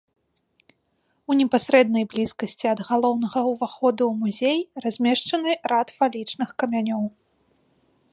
У непасрэднай блізкасці ад галоўнага ўваходу ў музей размешчаны рад фалічных камянёў.